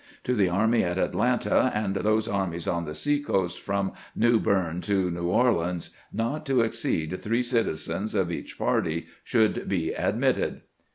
To the army at Atlanta, and those armies on the sea coast from New Berne to New Orleans, not to exceed three citizens of each party should be admitted.